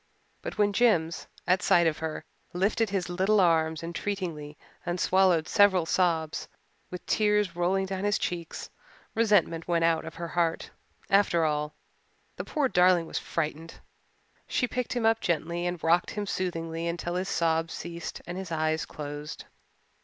But when Jims, at sight of her, lifted his little arms entreatingly and swallowed several sobs, with tears rolling down his cheeks, resentment went out of her heart. After all, the poor darling was frightened. She picked him up gently and rocked him soothingly until his sobs ceased and his eyes closed.